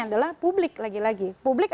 adalah publik lagi lagi publik